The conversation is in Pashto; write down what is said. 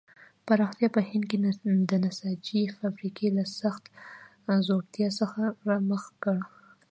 پراختیا په هند کې د نساجۍ صنعت له سخت ځوړتیا سره مخ کړ.